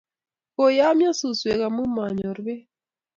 Koyamio suswek amu manyor beek